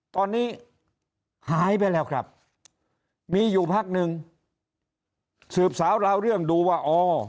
ตอนนี้หายไปแล้วครับมีอยู่พักหนึ่งสืบสาวราวเรื่องดูว่าอ๋อ